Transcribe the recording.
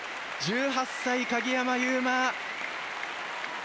１８歳、鍵山優真。